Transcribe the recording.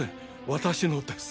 私のです。